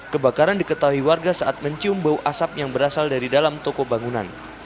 kebakaran diketahui warga saat mencium bau asap yang berasal dari dalam toko bangunan